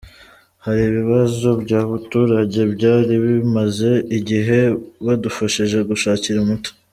Hari ibibazo by’abaturage byari bimaze igihe badufashije gushakira umuti.